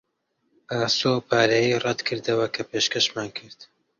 ئاسۆ ئەو پارەیەی ڕەت کردەوە کە پێشکەشمان کرد.